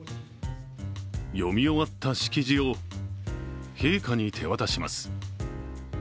読み終わった式辞を陛下に手渡します。